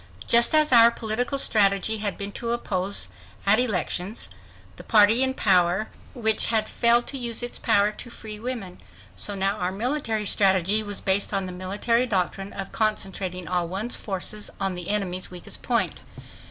Just as our political strategy had been to oppose, at elections, the party in power which had failed to use its power to free women, so now our military strategy was based on the military doctrine of concentrating all one's forces on the enemy's weakest point.